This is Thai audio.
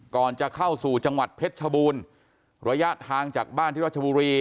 ก่อนจะเข้าสู่จังหวัดเพชรชบูรณ์ระยะทางจากบ้านที่รัชบุรี